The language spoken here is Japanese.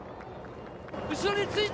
後ろについた。